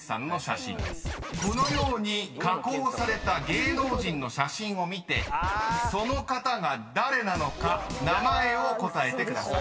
［このように加工された芸能人の写真を見てその方が誰なのか名前を答えてください］